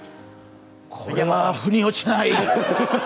これは腑に落ちない！